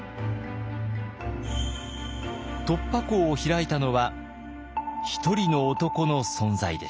突破口を開いたのは一人の男の存在でした。